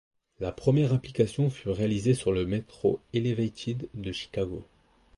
La première application fut réalisée sur le métro Elevated de Chicago.